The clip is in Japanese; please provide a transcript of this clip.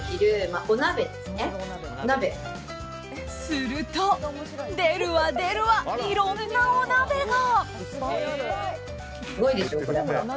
すると出るわ出るわいろんなお鍋が。